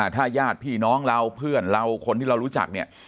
ถ้าญาติพี่น้องเราเพื่อนเราคนที่เรารู้จักเนี่ย